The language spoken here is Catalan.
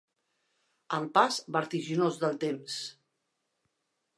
El pas vertiginós del temps.